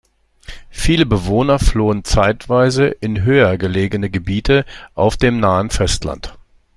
Viele Bewohner flohen zeitweise in höher gelegene Gebiete auf dem nahen Festland.